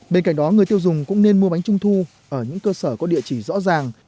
bên cạnh đó người tiêu dùng cũng nên mua bánh trung thu ở những cơ sở có địa chỉ rõ ràng